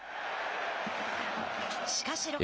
しかし、６回。